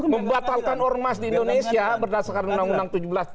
membatalkan ormas di indonesia berdasarkan undang undang tujuh belas dua ribu tiga belas